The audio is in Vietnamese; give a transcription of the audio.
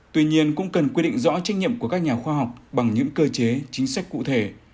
tuy nhiên cũng cần quy định rõ trách nhiệm của các nhà khoa học bằng những cơ chế chính sách cụ thể